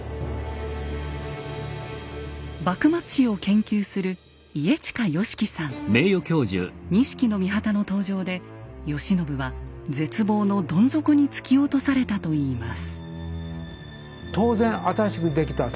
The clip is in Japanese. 幕末史を研究する錦の御旗の登場で慶喜は絶望のどん底に突き落とされたといいます。